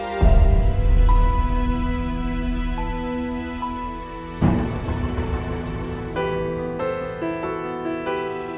terima kasih ibu